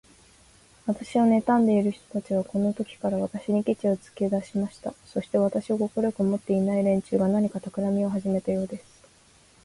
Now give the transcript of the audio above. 私をねたんでいる人たちは、このときから、私にケチをつけだしました。そして、私を快く思っていない連中が、何かたくらみをはじめたようです。